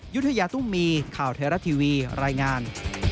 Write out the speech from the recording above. ยุธยาตุ้มมีข่าวไทยรัฐทีวีรายงาน